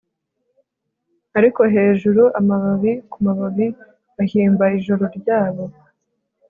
Ariko hejuru amababi kumababi bahimba ijoro ryabo